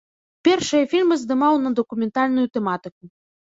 Першыя фільмы здымаў на дакументальную тэматыку.